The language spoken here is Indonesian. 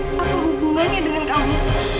apa hubungannya dengan kamu